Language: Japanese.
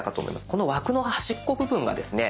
この枠の端っこ部分がですね